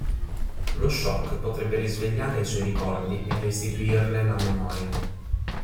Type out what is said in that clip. Lo choc potrebbe risvegliare i suoi ricordi e restituirle la memoria.